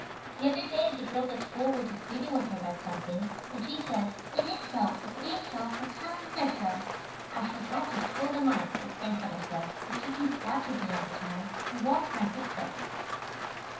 The other day the girls at school were disputing with her about something and she said, "It is so, if it ain't so, for Calline said so." I shall have to "toe the mark," as Grandfather says, if she keeps watch of me all the time and walks in my footsteps.